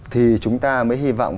thì chúng ta mới hy vọng